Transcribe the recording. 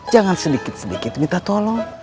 jangan sedikit sedikit minta tolong